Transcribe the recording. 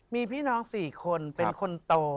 มีพี่น้อง๔คนเป็นคนโต